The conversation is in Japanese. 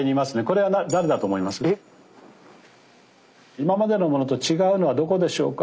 今までのものと違うのはどこでしょうか？